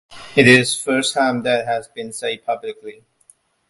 It is the first time that has been said publicly.